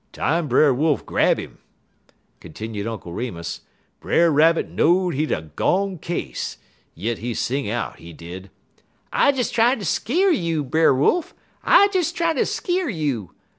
"Time Brer Wolf grab 'im," continued Uncle Remus, "Brer Rabbit knowed he 'uz a gone case; yit he sing out, he did: "'I des tryin' ter skeer you, Brer Wolf; I des tryin' ter skeer you.